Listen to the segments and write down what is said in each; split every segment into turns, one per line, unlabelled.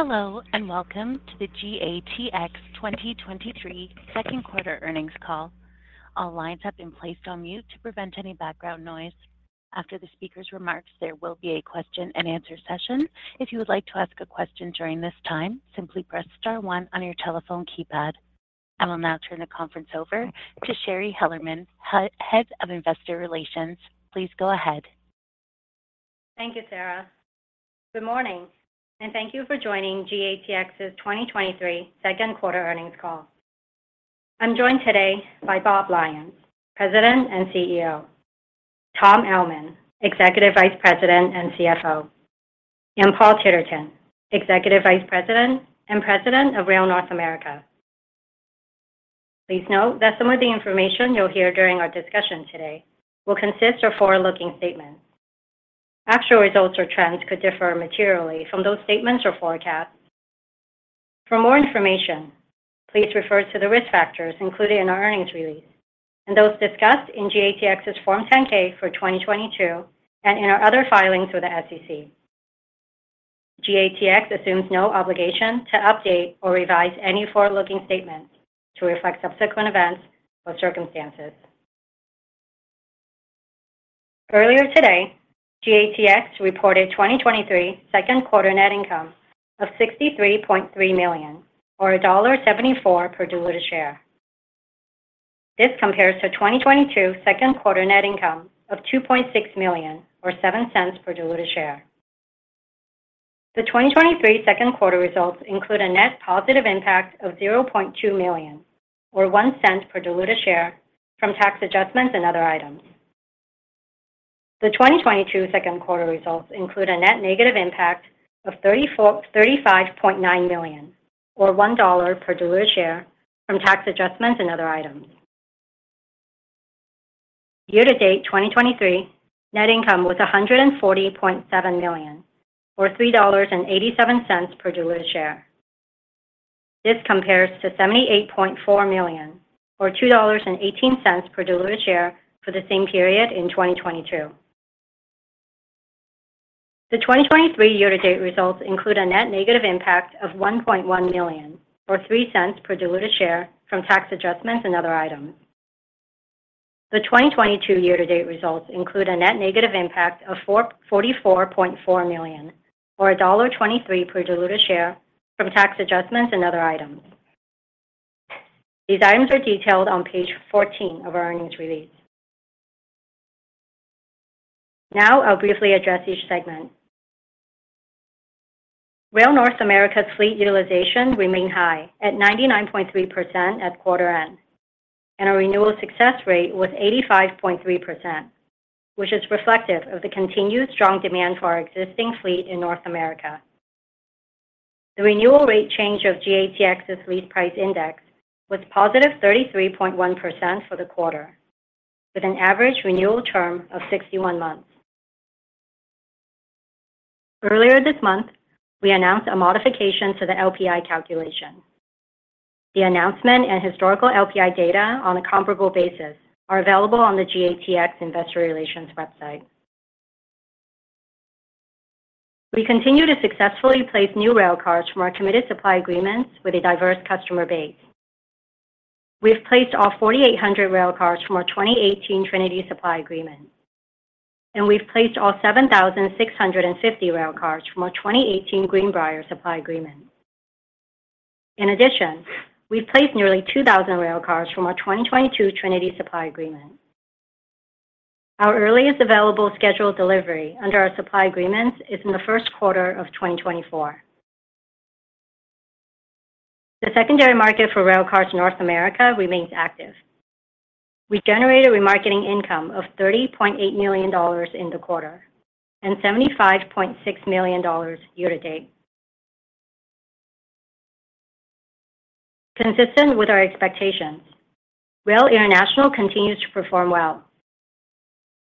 Hello, and welcome to the GATX 2023 2Q earnings call. All lines have been placed on mute to prevent any background noise. After the speaker's remarks, there will be a question and answer session. If you would like to ask a question during this time, simply press star 1 on your telephone keypad. I will now turn the conference over to Shari Hellerman, Head of Investor Relations. Please go ahead.
Thank you, Sarah. Good morning, and thank you for joining GATX's 2023 second quarter earnings call. I'm joined today by Bob Lyons, President and CEO, Tom Ellman, Executive Vice President and CFO, and Paul Titterton, Executive Vice President and President of Rail North America. Please note that some of the information you'll hear during our discussion today will consist of forward-looking statements. Actual results or trends could differ materially from those statements or forecasts. For more information, please refer to the risk factors included in our earnings release and those discussed in GATX's Form 10-K for 2022 and in our other filings with the SEC. GATX assumes no obligation to update or revise any forward-looking statements to reflect subsequent events or circumstances. Earlier today, GATX reported 2023 second quarter net income of $63.3 million, or $1.74 per diluted share. This compares to 2022 second quarter net income of $2.6 million, or $0.07 per diluted share. The 2023 second quarter results include a net positive impact of $0.2 million, or $0.01 per diluted share from tax adjustments and other items. The 2022 second quarter results include a net negative impact of $35.9 million, or $1.00 per diluted share from tax adjustments and other items. Year-to-date 2023 net income was $140.7 million, or $3.87 per diluted share. This compares to $78.4 million, or $2.18 per diluted share for the same period in 2022. The 2023 year-to-date results include a net negative impact of $1.1 million, or $0.03 per diluted share from tax adjustments and other items. The 2022 year-to-date results include a net negative impact of $44.4 million, or $1.23 per diluted share from tax adjustments and other items. These items are detailed on page 14 of our earnings release. I'll briefly address each segment. Rail North America's fleet utilization remained high at 99.3% at quarter end, and our renewal success rate was 85.3%, which is reflective of the continued strong demand for our existing fleet in North America. The renewal rate change of GATX's Lease Price Index was positive 33.1% for the quarter, with an average renewal term of 61 months. Earlier this month, we announced a modification to the LPI calculation. The announcement and historical LPI data on a comparable basis are available on the GATX Investor Relations website. We continue to successfully place new railcars from our committed supply agreements with a diverse customer base. We've placed all 4,800 railcars from our 2018 Trinity supply agreement, and we've placed all 7,650 railcars from our 2018 Greenbrier supply agreement. In addition, we've placed nearly 2,000 railcars from our 2022 Trinity supply agreement. Our earliest available scheduled delivery under our supply agreements is in the first quarter of 2024. The secondary market for Rail North America remains active. We generated remarketing income of $30.8 million in the quarter, and $75.6 million year to date. Consistent with our expectations, Rail International continues to perform well.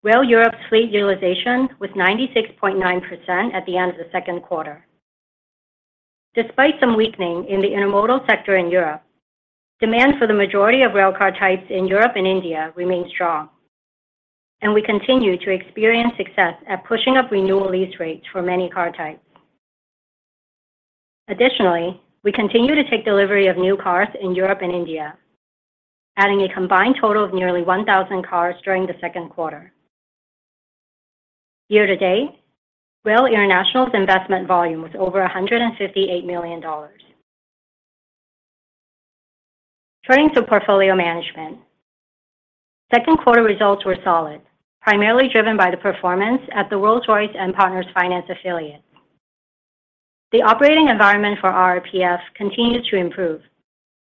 Rail Europe fleet utilization was 96.9% at the end of the second quarter. Despite some weakening in the intermodal sector in Europe, demand for the majority of railcar types in Europe and India remains strong, we continue to experience success at pushing up renewal lease rates for many car types. We continue to take delivery of new cars in Europe and India, adding a combined total of nearly 1,000 cars during the second quarter. Year to date, Rail International's investment volume was over $158 million. Turning to portfolio management. Second quarter results were solid, primarily driven by the performance at the Rolls-Royce and Partners Finance affiliate. The operating environment for RRPF continues to improve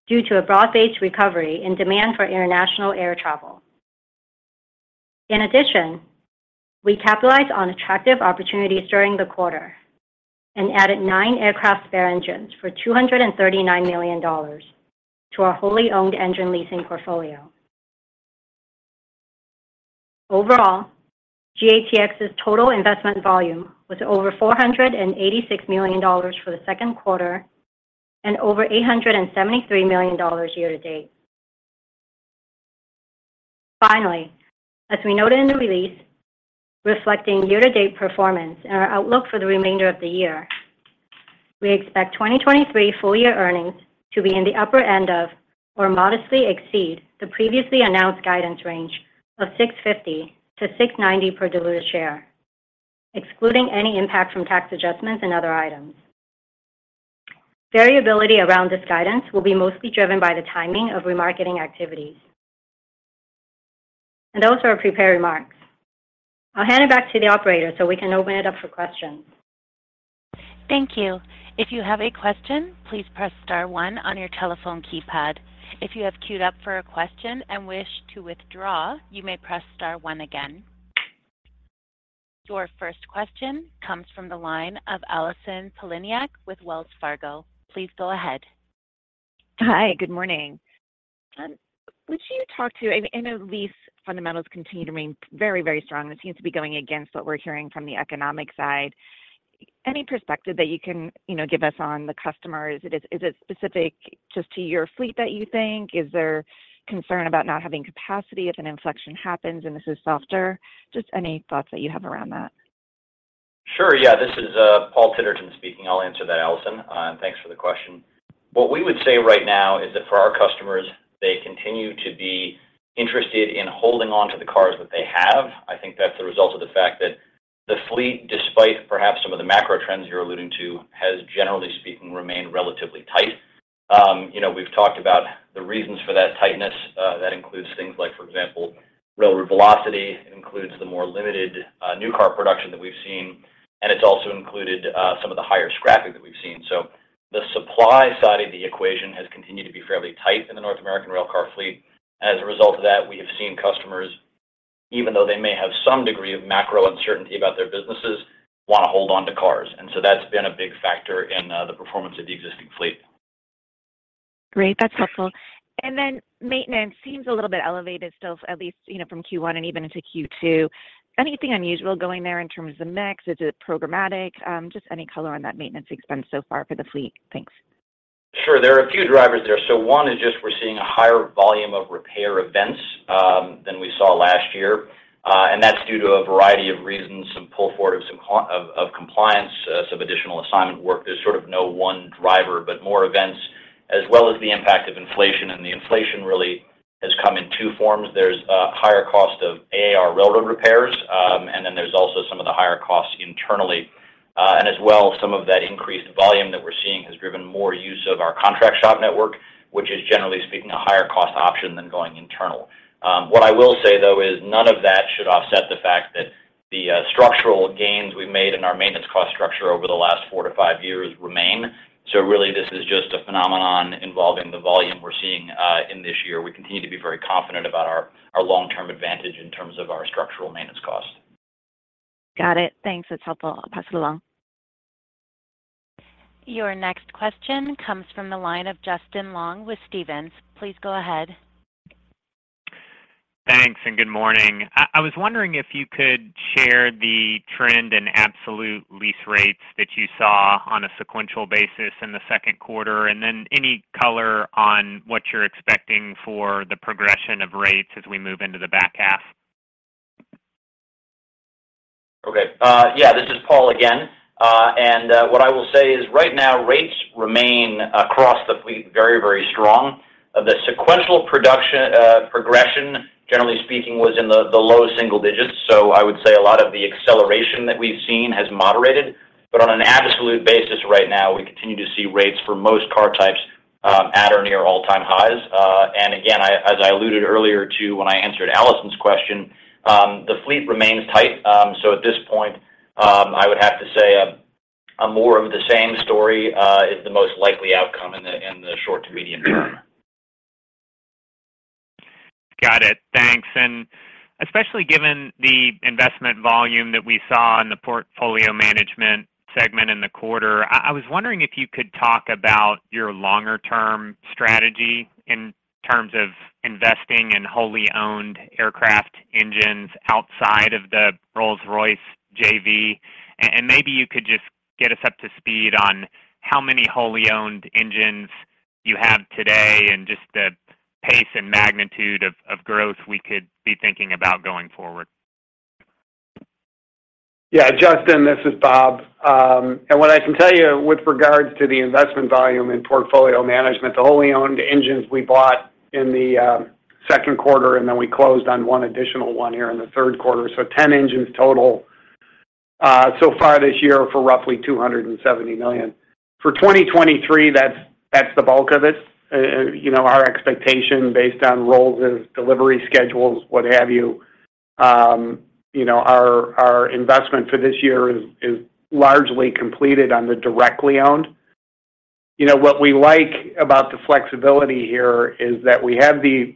due to a broad-based recovery in demand for international air travel. We capitalized on attractive opportunities during the quarter and added nine aircraft spare engines for $239 million to our wholly owned engine leasing portfolio. Overall, GATX's total investment volume was over $486 million for the second quarter and over $873 million year to date. Finally, as we noted in the release, reflecting year-to-date performance and our outlook for the remainder of the year, we expect 2023 full-year earnings to be in the upper end of or modestly exceed the previously announced guidance range of $6.50-$6.90 per diluted share, excluding any impact from tax adjustments and other items. Variability around this guidance will be mostly driven by the timing of remarketing activities. Those are our prepared remarks. I'll hand it back to the operator, so we can open it up for questions.
Thank you. If you have a question, please press star 1 on your telephone keypad. If you have queued up for a question and wish to withdraw, you may press star 1 again. Your first question comes from the line of Allison Poliniak with Wells Fargo. Please go ahead.
Hi, good morning. Would you talk to the lease fundamentals continue to remain very, very strong, it seems to be going against what we're hearing from the economic side. Any perspective that you can, you know, give us on the customer? Is it specific just to your fleet that you think? Is there concern about not having capacity if an inflection happens, this is softer? Just any thoughts that you have around that.
Sure, yeah. This is Paul Titterton speaking. I'll answer that, Allison, and thanks for the question. What we would say right now is that for our customers, they continue to be interested in holding on to the cars that they have. I think that's a result of the fact that the fleet, despite perhaps some of the macro trends you're alluding to, has, generally speaking, remained relatively tight. you know, we've talked about the reasons for that tightness. That includes things like, for example, railroad velocity, it includes the more limited, new car production that we've seen, and it's also included, some of the higher scrapping that we've seen. The supply side of the equation has continued to be fairly tight in the North American railcar fleet. As a result of that, we have seen customers, even though they may have some degree of macro uncertainty about their businesses, want to hold on to cars. That's been a big factor in the performance of the existing fleet.
Great, that's helpful. Then maintenance seems a little bit elevated still, at least, you know, from Q1 and even into Q2. Anything unusual going there in terms of the mix? Is it programmatic? Just any color on that maintenance expense so far for the fleet. Thanks.
Sure. There are a few drivers there. One is just we're seeing a higher volume of repair events, than we saw last year, and that's due to a variety of reasons, some pull forward of compliance, some additional assignment work. There's sort of no one driver, but more events, as well as the impact of inflation, and the inflation really has come in two forms. There's a higher cost of AAR railroad repairs, and then there's also some of the higher costs internally. As well, some of that increased volume that we're seeing has driven more use of our contract shop network, which is, generally speaking, a higher cost option than going internal. What I will say, though, is none of that should offset the fact that the structural gains we made in our maintenance cost structure over the last four to five years remain. Really, this is just a phenomenon involving the volume we're seeing in this year. We continue to be very confident about our long-term advantage in terms of our structural maintenance cost.
Got it. Thanks, that's helpful. I'll pass it along.
Your next question comes from the line of Justin Long with Stephens. Please go ahead.
Thanks. Good morning. I was wondering if you could share the trend in absolute lease rates that you saw on a sequential basis in the second quarter, and then any color on what you're expecting for the progression of rates as we move into the back half?
Okay. Yeah, this is Paul again. What I will say is, right now, rates remain across the fleet very, very strong. The sequential production progression, generally speaking, was in the low single digits. I would say a lot of the acceleration that we've seen has moderated, but on an absolute basis right now, we continue to see rates for most car types, at or near all-time highs. Again, as I alluded earlier to when I answered Allison Poliniak's question, the fleet remains tight. At this point, I would have to say a more of the same story is the most likely outcome in the short to medium term.
Got it. Thanks. Especially given the investment volume that we saw in the portfolio management segment in the quarter, I was wondering if you could talk about your longer-term strategy in terms of investing in wholly owned aircraft engines outside of the Rolls-Royce JV. Maybe you could just get us up to speed on how many wholly owned engines you have today, and just the pace and magnitude of growth we could be thinking about going forward.
Yeah, Justin, this is Bob. What I can tell you with regards to the investment volume in portfolio management, the wholly owned engines we bought in the second quarter, then we closed on one additional one here in the third quarter, so 10 engines total so far this year for roughly $270 million. For 2023, that's the bulk of it. You know, our expectation based on Rolls's delivery schedules, what have you know, our investment for this year is largely completed on the directly owned. You know, what we like about the flexibility here is that we have the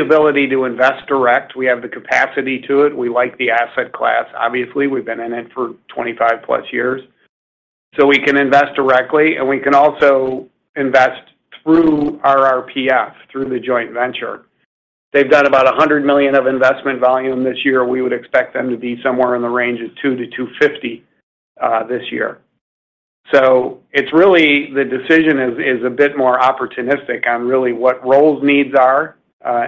ability to invest direct. We have the capacity to it. We like the asset class. Obviously, we've been in it for 25+ years. We can invest directly, and we can also invest through RRPF, through the joint venture. They've done about $100 million of investment volume this year. We would expect them to be somewhere in the range of $200 million-$250 million this year. It's really, the decision is a bit more opportunistic on really what Rolls-Royce needs are,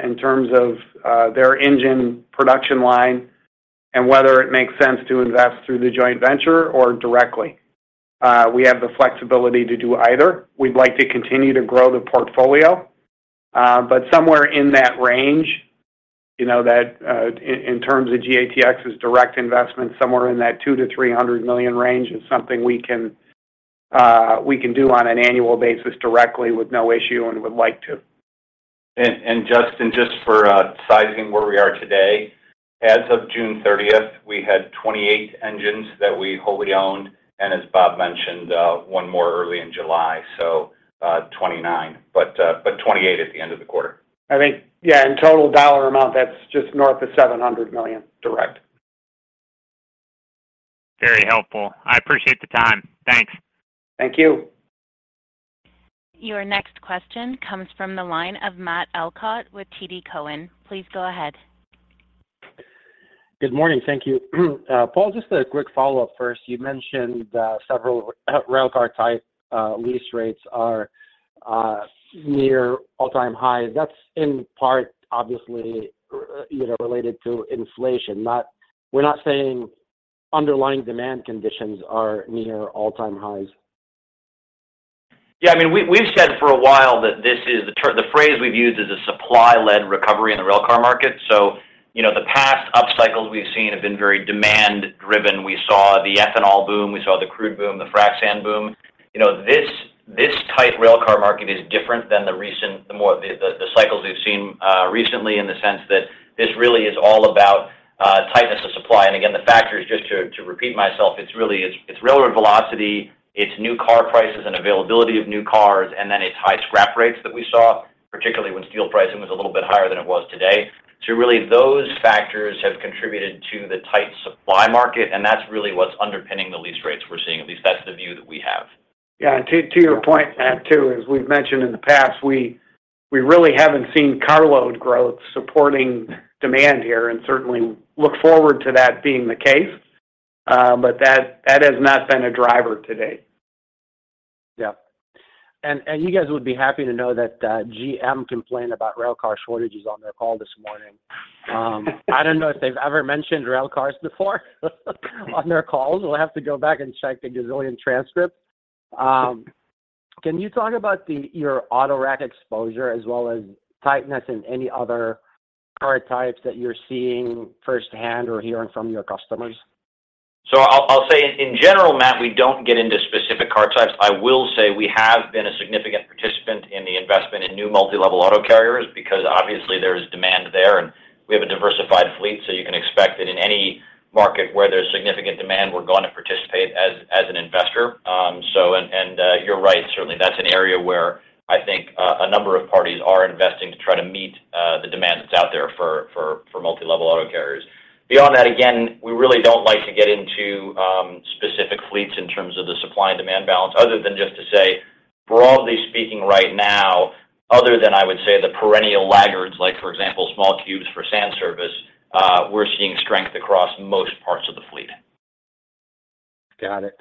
in terms of their engine production line and whether it makes sense to invest through the joint venture or directly. We have the flexibility to do either. We'd like to continue to grow the portfolio, but somewhere in that range, you know, that, in terms of GATX's direct investment, somewhere in that $200 million-$300 million range is something we can do on an annual basis directly with no issue and would like to.
Justin, just for sizing where we are today, as of June 30th, we had 28 engines that we wholly owned, and as Bob Lyons mentioned, 1 more early in July, so 29. 28 at the end of the quarter.
I think, yeah, in total dollar amount, that's just north of $700 million direct.
Very helpful. I appreciate the time. Thanks.
Thank you.
Your next question comes from the line of Matt Elkott with TD Cowen. Please go ahead.
Good morning. Thank you. Paul, just a quick follow-up first. You mentioned several railcar type lease rates are near all-time highs. That's in part, obviously, you know, related to inflation, we're not saying underlying demand conditions are near all-time highs.
Yeah, I mean, we've said for a while that this is the phrase we've used is a supply-led recovery in the railcar market. You know, the past upcycles we've seen have been very demand driven. We saw the ethanol boom, we saw the crude boom, the frack sand boom. You know, this tight railcar market is different than the recent, the cycles we've seen recently, in the sense that this really is all about tightness of supply. Again, the factor is, just to repeat myself, it's really, it's railroad velocity, it's new car prices and availability of new cars, and then it's high scrap rates that we saw, particularly when steel pricing was a little bit higher than it was today. Really, those factors have contributed to the tight supply market, and that's really what's underpinning the lease rates we're seeing. At least that's the view that we have.
Yeah, and to your point, Matt, too, as we've mentioned in the past, we really haven't seen carload growth supporting demand here, and certainly look forward to that being the case, but that has not been a driver to date.
Yeah. You guys would be happy to know that GM complained about railcar shortages on their call this morning. I don't know if they've ever mentioned railcars before, on their calls. We'll have to go back and check the gazillion transcripts. Can you talk about your auto rack exposure, as well as tightness in any other car types that you're seeing firsthand or hearing from your customers?
I'll say in general, Matt, we don't get into specific car types. I will say we have been a significant participant in the investment in new multi-level auto carriers, because obviously there's demand there, and we have a diversified fleet, so you can expect that in any market where there's significant demand, we're going to participate as an investor. You're right, certainly, that's an area where I think a number of parties are investing to try to meet the demand that's out there for multi-level auto carriers. Beyond that, again, we really don't like to get into specific fleets in terms of the supply and demand balance, other than just to say, broadly speaking right now, other than, I would say, the perennial laggards, like, for example, small cubes for sand service, we're seeing strength across most parts of the fleet.
Got it.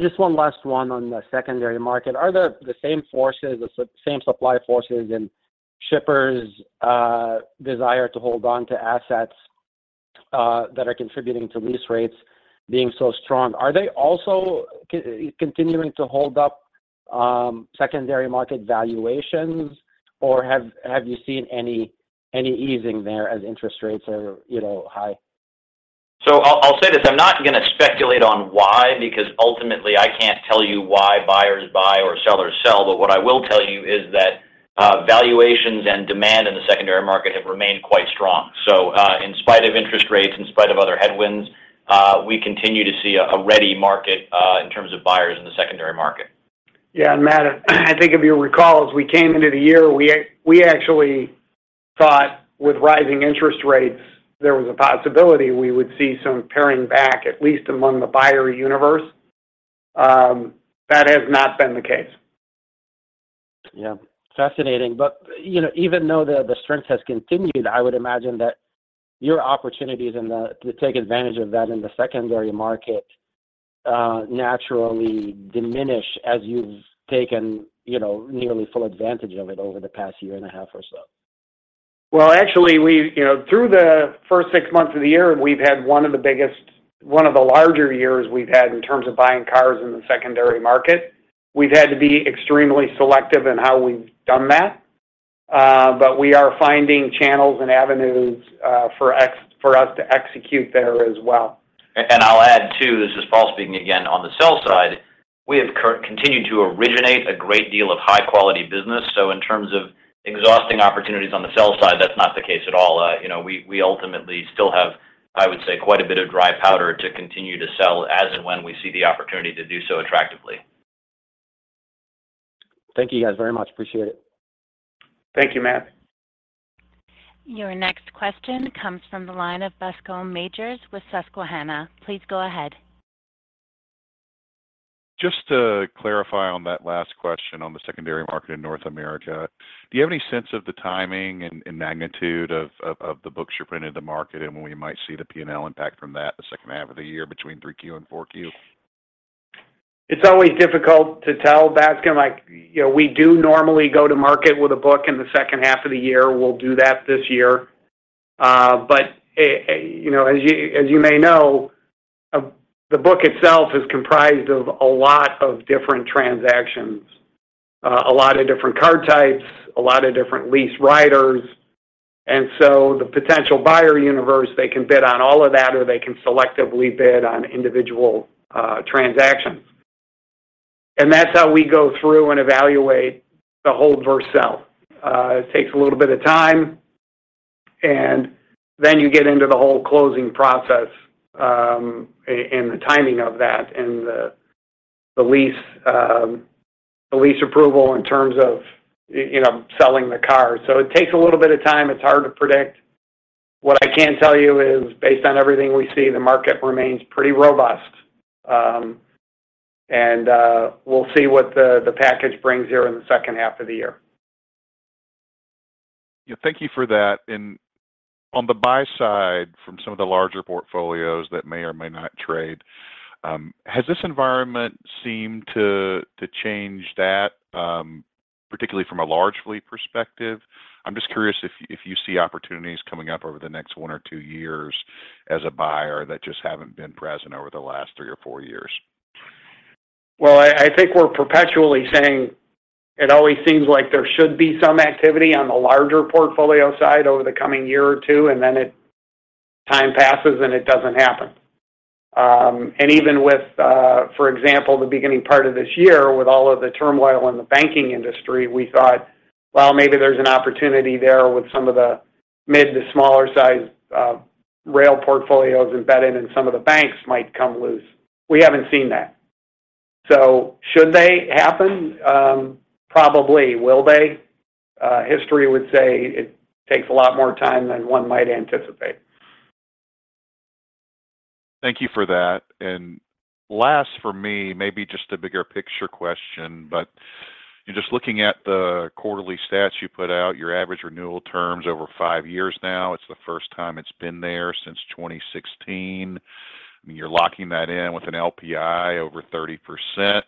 Just one last one on the secondary market. Are the same forces, the same supply forces and shippers desire to hold on to assets that are contributing to lease rates being so strong, are they also continuing to hold up secondary market valuations, or have you seen any easing there as interest rates are, you know, high?
I'll say this, I'm not going to speculate on why, because ultimately, I can't tell you why buyers buy or sellers sell, but what I will tell you is that valuations and demand in the secondary market have remained quite strong. In spite of interest rates, in spite of other headwinds, we continue to see a ready market in terms of buyers in the secondary market.
Yeah, Matt, I think if you recall, as we came into the year, we actually thought with rising interest rates, there was a possibility we would see some paring back, at least among the buyer universe. That has not been the case.
Yeah. Fascinating. You know, even though the strength has continued, I would imagine that your opportunities and the, to take advantage of that in the secondary market, naturally diminish as you've taken, you know, nearly full advantage of it over the past year and a half or so.
Well, actually, we, you know, through the first six months of the year, we've had one of the larger years we've had in terms of buying cars in the secondary market. We've had to be extremely selective in how we've done that, but we are finding channels and avenues, for us to execute there as well.
I'll add, too, this is Paul speaking again, on the sell side, we have continued to originate a great deal of high-quality business. In terms of exhausting opportunities on the sell side, that's not the case at all. you know, we ultimately still have, I would say, quite a bit of dry powder to continue to sell as and when we see the opportunity to do so attractively.
Thank you, guys, very much. Appreciate it.
Thank you, Matt.
Your next question comes from the line of Bascome Majors with Susquehanna. Please go ahead.
Just to clarify on that last question on the secondary market in North America, do you have any sense of the timing and magnitude of the books you're putting in the market and when we might see the P&L impact from that in the second half of the year between 3Q and 4Q?
It's always difficult to tell, Bascome, like, you know, we do normally go to market with a book in the second half of the year. We'll do that this year. You know, as you, as you may know, the book itself is comprised of a lot of different transactions, a lot of different car types, a lot of different lease riders. The potential buyer universe, they can bid on all of that, or they can selectively bid on individual transactions. That's how we go through and evaluate the hold versus sell. It takes a little bit of time, and then you get into the whole closing process, and the timing of that and the lease, the lease approval in terms of, you know, selling the car. It takes a little bit of time. It's hard to predict. What I can tell you is, based on everything we see, the market remains pretty robust. We'll see what the package brings here in the second half of the year.
Yeah, thank you for that. And on the buy side, from some of the larger portfolios that may or may not trade, has this environment seemed to change that, particularly from a large fleet perspective? I'm just curious if you see opportunities coming up over the next 1 or 2 years as a buyer that just haven't been present over the last 3 or 4 years.
I think we're perpetually saying it always seems like there should be some activity on the larger portfolio side over the coming 1 or 2, and then time passes, and it doesn't happen. Even with, for example, the beginning part of this year, with all of the turmoil in the banking industry, We thought, well, maybe there's an opportunity there with some of the mid to smaller size rail portfolios embedded in some of the banks might come loose. We haven't seen that. Should they happen? Probably. Will they? History would say it takes a lot more time than one might anticipate.
Thank you for that. Last for me, maybe just a bigger picture question, but just looking at the quarterly stats you put out, your average renewal term's over five years now. It's the first time it's been there since 2016. You're locking that in with an LPI over 30%.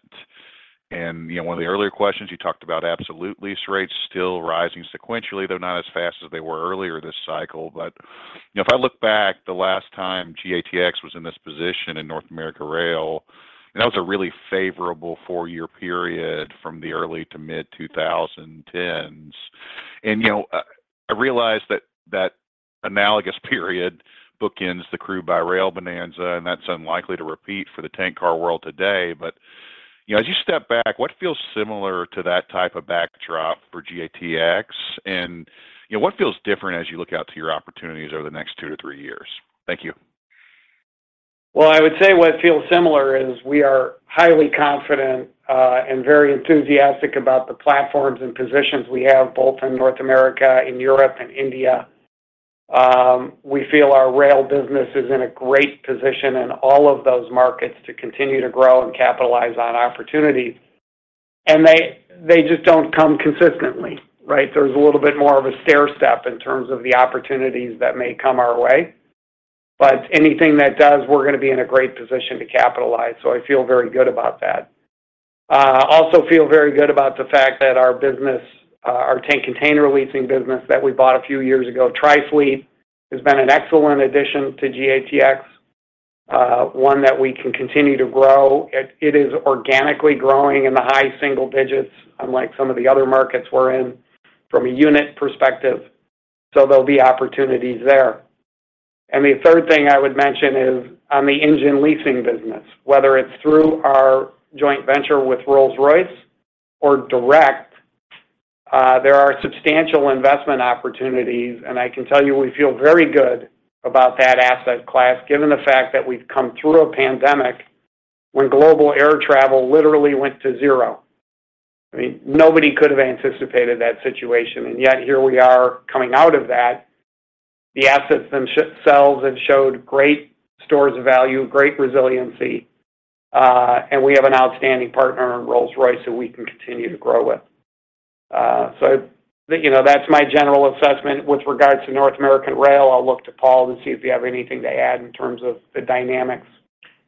You know, one of the earlier questions, you talked about absolute lease rates still rising sequentially, though not as fast as they were earlier this cycle. You know, if I look back, the last time GATX was in this position in North America Rail, that was a really favorable four-year period from the early to mid 2010s. You know, I realize that that analogous period bookends the crude by rail bonanza, and that's unlikely to repeat for the tank car world today. You know, as you step back, what feels similar to that type of backdrop for GATX, and, you know, what feels different as you look out to your opportunities over the next 2-3 years? Thank you.
I would say what feels similar is we are highly confident and very enthusiastic about the platforms and positions we have, both in North America, in Europe, and India. We feel our rail business is in a great position in all of those markets to continue to grow and capitalize on opportunities, they just don't come consistently, right? There's a little bit more of a stairstep in terms of the opportunities that may come our way, but anything that does, we're going to be in a great position to capitalize. I feel very good about that. I also feel very good about the fact that our business, our tank container leasing business that we bought a few years ago, Trifleet, has been an excellent addition to GATX, one that we can continue to grow. It is organically growing in the high single digits, unlike some of the other markets we're in from a unit perspective, there'll be opportunities there. The third thing I would mention is on the engine leasing business, whether it's through our joint venture with Rolls-Royce or direct, there are substantial investment opportunities, I can tell you we feel very good about that asset class, given the fact that we've come through a pandemic when global air travel literally went to 0. I mean, nobody could have anticipated that situation, yet here we are coming out of that. The assets themselves have showed great stores of value, great resiliency, we have an outstanding partner in Rolls-Royce that we can continue to grow with. You know, that's my general assessment. With regards to North American Rail, I'll look to Paul to see if you have anything to add in terms of the dynamics.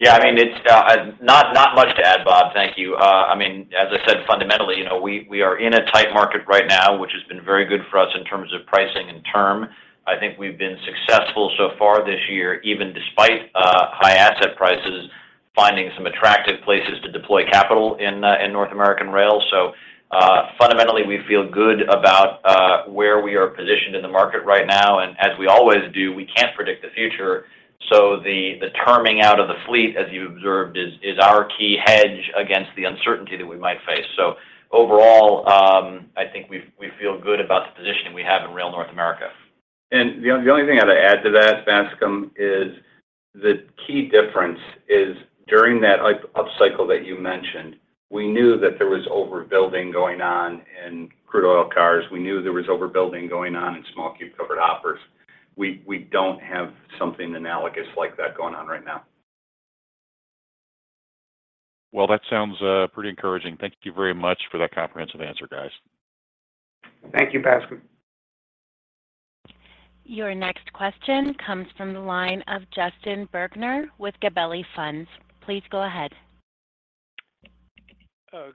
Yeah, I mean, it's not much to add, Bob. Thank you. I mean, as I said, fundamentally, you know, we are in a tight market right now, which has been very good for us in terms of pricing and term. I think we've been successful so far this year, even despite high asset prices, finding some attractive places to deploy capital in Rail North America. Fundamentally, we feel good about where we are positioned in the market right now, and as we always do, we can't predict the future. The terming out of the fleet, as you observed, is our key hedge against the uncertainty that we might face. Overall, I think we feel good about the positioning we have in Rail North America.
The only thing I'd add to that, Bascome, is the key difference is during that upcycle that you mentioned, we knew that there was overbuilding going on in crude oil cars. We knew there was overbuilding going on in small cube covered hoppers. We don't have something analogous like that going on right now.
Well, that sounds pretty encouraging. Thank you very much for that comprehensive answer, guys.
Thank you, Bascom.
Your next question comes from the line of Justin Bergner with Gabelli Funds. Please go ahead.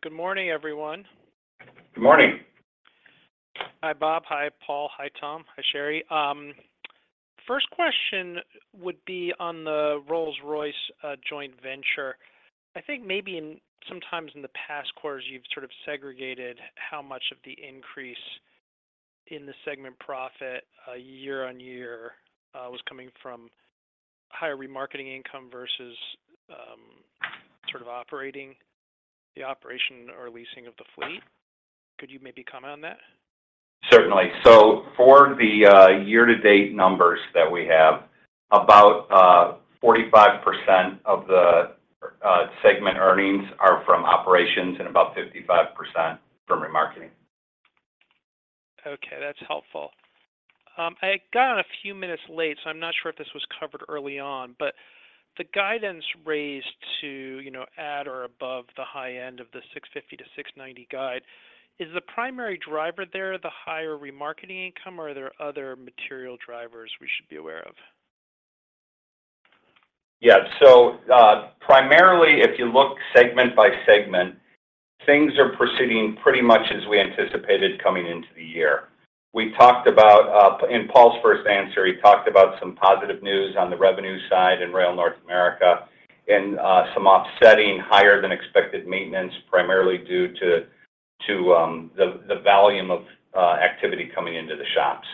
Good morning, everyone.
Good morning.
Hi, Bob. Hi, Paul. Hi, Tom. Hi, Shari. First question would be on the Rolls-Royce joint venture. I think maybe in, sometimes in the past quarters, you've sort of segregated how much of the increase in the segment profit, year-on-year, was coming from higher remarketing income versus, sort of operating the operation or leasing of the fleet. Could you maybe comment on that?
Certainly. For the year-to-date numbers that we have, about 45% of the segment earnings are from operations and about 55% from remarketing.
That's helpful. I got on a few minutes late, so I'm not sure if this was covered early on, but the guidance raised to, you know, at or above the high end of the $6.50-$6.90 guide, is the primary driver there, the higher remarketing income, or are there other material drivers we should be aware of?
Primarily, if you look segment by segment, things are proceeding pretty much as we anticipated coming into the year. We talked about in Paul's first answer, he talked about some positive news on the revenue side in Rail North America and some offsetting higher than expected maintenance, primarily due to the volume of activity coming into the shops.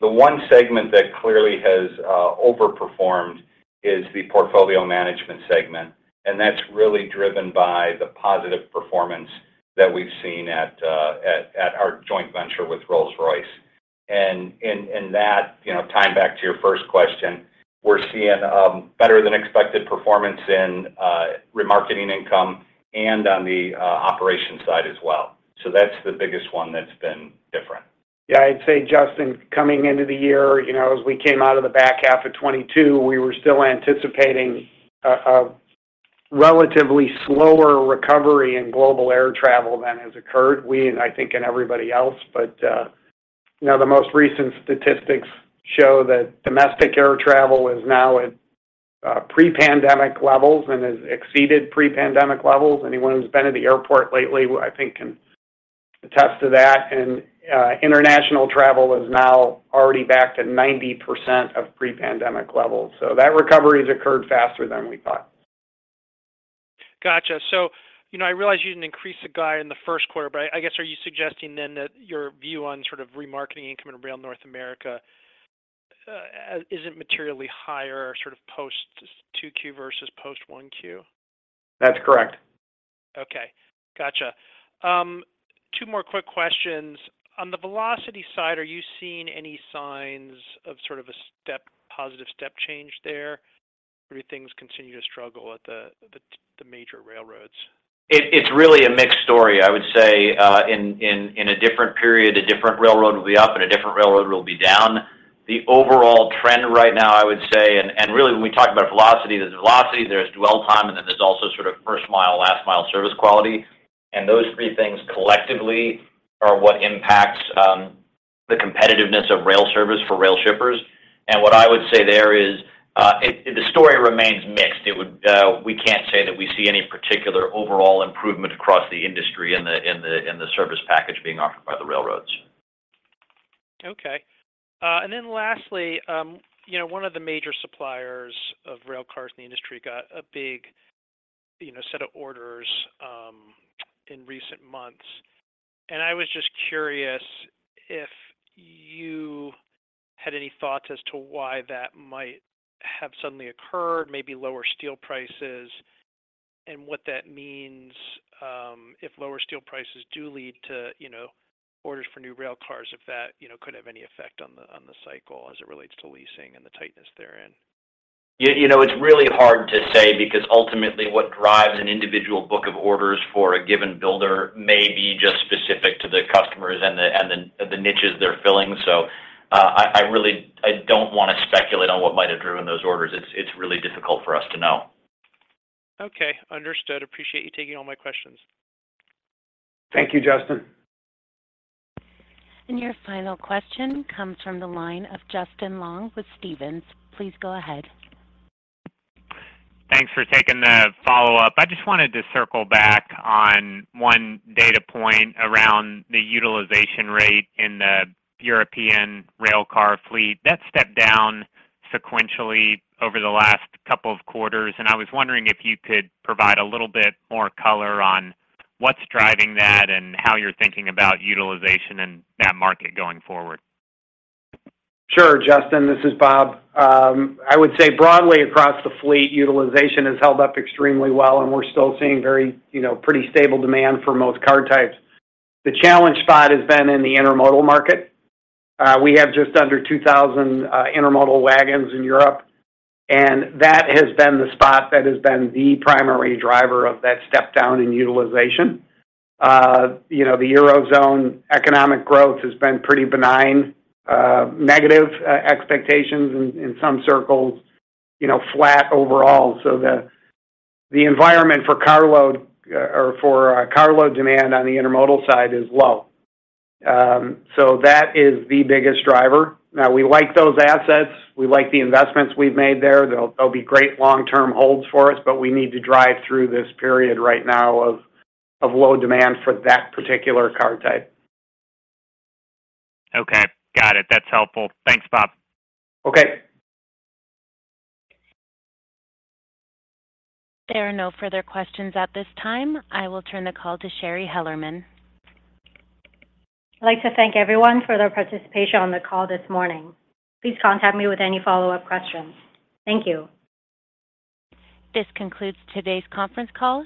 The one segment that clearly has overperformed is the portfolio management segment, and that's really driven by the positive performance that we've seen at our joint venture with Rolls-Royce. And that, you know, tying back to your first question, we're seeing better than expected performance in remarketing income and on the operations side as well. That's the biggest one that's been different.
Yeah, I'd say, Justin, coming into the year, you know, as we came out of the back half of 2022, we were still anticipating a relatively slower recovery in global air travel than has occurred, we, and I think, and everybody else. You know, the most recent statistics show that domestic air travel is now at pre-pandemic levels and has exceeded pre-pandemic levels. Anyone who's been in the airport lately, I think, can attest to that, and international travel is now already back to 90% of pre-pandemic levels. That recovery has occurred faster than we thought.
Gotcha. You know, I realize you didn't increase the guide in the first quarter, I guess, are you suggesting that your view on sort of remarketing income in Rail North America isn't materially higher or sort of post 2Q versus post 1Q?
That's correct.
Okay, gotcha. Two more quick questions. On the velocity side, are you seeing any signs of sort of a step, positive step change there? Or do things continue to struggle at the major railroads?
It's really a mixed story. I would say, in a different period, a different railroad will be up and a different railroad will be down. The overall trend right now, I would say, and really, when we talk about velocity, there's velocity, there's dwell time, and then there's also sort of first mile, last mile service quality, and those three things collectively are what impacts the competitiveness of rail service for rail shippers. What I would say there is, the story remains mixed. We can't say that we see any particular overall improvement across the industry in the service package being offered by the railroads.
Okay. Lastly, you know, one of the major suppliers of rail cars in the industry got a big, you know, set of orders in recent months. I was just curious if you had any thoughts as to why that might have suddenly occurred, maybe lower steel prices, and what that means, if lower steel prices do lead to, you know, orders for new rail cars, if that, you know, could have any effect on the cycle as it relates to leasing and the tightness they're in.
You know, it's really hard to say because ultimately, what drives an individual book of orders for a given builder may be just specific to the customers and the, and the niches they're filling. I really don't want to speculate on what might have driven those orders. It's really difficult for us to know.
Okay, understood. Appreciate you taking all my questions.
Thank you, Justin.
Your final question comes from the line of Justin Long with Stephens. Please go ahead.
Thanks for taking the follow-up. I just wanted to circle back on one data point around the utilization rate in the European railcar fleet. That stepped down sequentially over the last couple of quarters. I was wondering if you could provide a little bit more color on what's driving that and how you're thinking about utilization in that market going forward.
Sure, Justin, this is Bob. I would say broadly across the fleet, utilization has held up extremely well, and we're still seeing very, you know, pretty stable demand for most car types. The challenge spot has been in the intermodal market. We have just under 2,000 intermodal wagons in Europe, and that has been the spot that has been the primary driver of that step down in utilization. You know, the Eurozone economic growth has been pretty benign, negative expectations in some circles, you know, flat overall. The environment for carload, or for carload demand on the intermodal side is low. That is the biggest driver. Now, we like those assets, we like the investments we've made there. They'll be great long-term holds for us, but we need to drive through this period right now of low demand for that particular car type.
Okay, got it. That's helpful. Thanks, Bob.
Okay.
There are no further questions at this time. I will turn the call to Shari Hellerman.
I'd like to thank everyone for their participation on the call this morning. Please contact me with any follow-up questions. Thank you.
This concludes today's conference call.